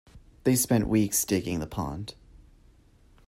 They spent weeks digging the pond.